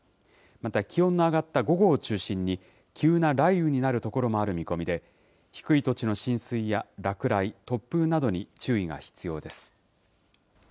また気温が上がった午後を中心に、急な雷雨になる所もある見込みで、低い土地の浸水や落雷、突風などに注意が必要です。